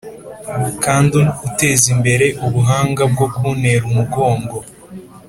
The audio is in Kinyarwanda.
kandi utezimbere ubuhanga bwo kuntera umugongo,